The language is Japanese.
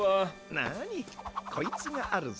なにこいつがあるぜ。